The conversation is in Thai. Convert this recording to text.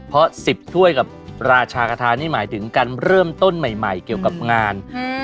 เพราะ๑๐ถ้วยกับราชากระทานี่หมายถึงการเริ่มต้นใหม่เกี่ยวกับงาน